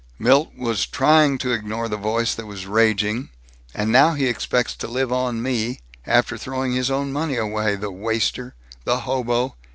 Milt was trying to ignore the voice that was raging, "And now he expects to live on me, after throwing his own money away. The waster! The hobo!